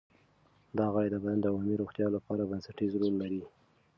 دا غړي د بدن د عمومي روغتیا لپاره بنسټیز رول لري.